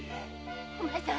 お前さん